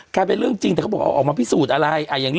กลายเป็นเรื่องจริงแต่เค้าบอกออกมาพิสูจน์อะไร